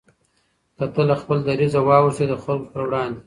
که ته له خپل دریځه واوښتې د خلکو پر وړاندې